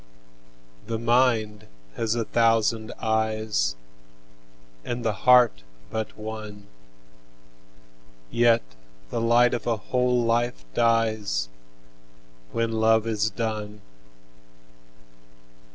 The mind has a thousand eyes, And the heart but one; Yet the light of a whole life diesWhen love is done.